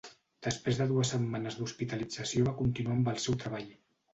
Després de dues setmanes d'hospitalització va continuar amb el seu treball.